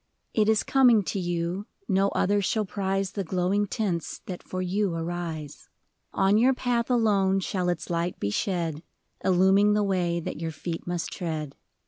It is coming to you, no other shall prize The glowing tints that for you arise. On your path alone shall its light be shed. Illuming the way that your feet must tread.